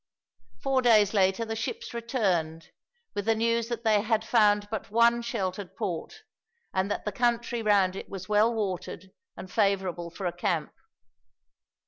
Four days later the ships returned, with the news that they had found but one sheltered port, and that the country round it was well watered and favorable for a camp.